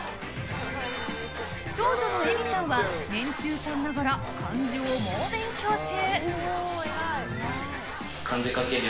長女の咲ちゃんは年中さんながら漢字を猛勉強中！